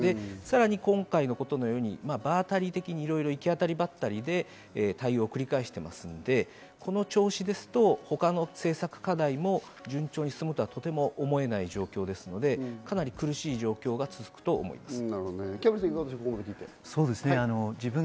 さらに今回のことのように場当たり的に、いろいろ行き当たりばったりで対応を繰り返していますので、この調子ですと他の政策課題も順調に進むとはとても思えない状況ですので、かなり苦しい状況が続くと思います。